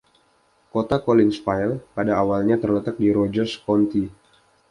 Kota Collinsville pada awalnya terletak di Rogers County.